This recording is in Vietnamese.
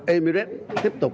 emirates tiếp tục